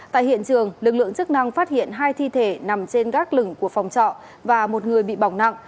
tại hiện trường lực lượng chức năng phát hiện hai thi thể nằm trên gác lửng của phòng trọ và một người bị bỏng nặng